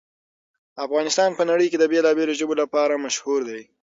افغانستان په نړۍ کې د بېلابېلو ژبو لپاره مشهور دی.